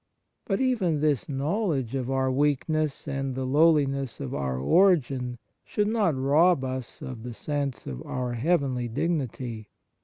But even this knowledge of our weakness and the lowliness of our origin should not rob us of the sense of our heavenly dignity.